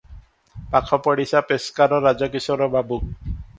ପାଖ ପଡ଼ିଶା ପେସ୍କାର ରାଜକିଶୋର ବାବୁ ।